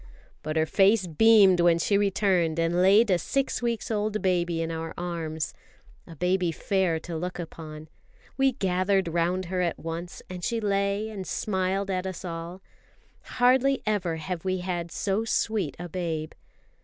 But her face beamed when she returned and laid a six weeks old baby in our arms a baby fair to look upon. We gathered round her at once, and she lay and smiled at us all. Hardly ever have we had so sweet a babe.